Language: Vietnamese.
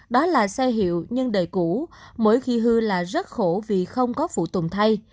đó là xe hiệu nhưng đời cũ mỗi khi hư là rất khổ vì không có phụ tùng thay